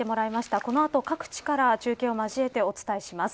この後各地から中継を交えてお伝えします。